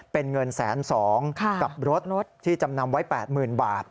เป็นเงิน๑๒๐๐กับรถที่จำนำไว้๘๐๐๐บาท